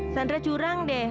sandra curang deh